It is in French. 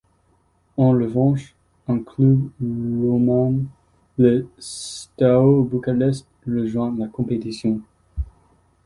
En revanche, un club roumain, le Steaua Bucarest rejoint la compétition.